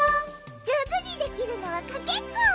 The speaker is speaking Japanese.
じょうずにできるのはかけっこ！